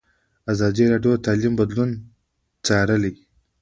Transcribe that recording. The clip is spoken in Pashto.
ازادي راډیو د تعلیم بدلونونه څارلي.